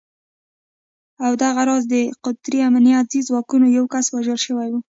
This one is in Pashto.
او دغه راز د قطري امنیتي ځواکونو یو کس وژل شوی و